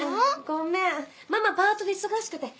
ごめんママパートで忙しくて。